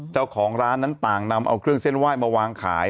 เจ้าของร้านนั้นต่างนำเอาเครื่องเส้นไหว้มาวางขาย